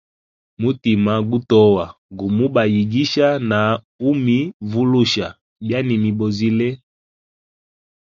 Mutima gutoa gumubayigisha na umivulusha byanimibozile.